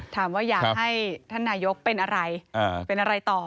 ถามว่าอยากให้ท่านนายกเป็นอะไรเป็นอะไรต่อ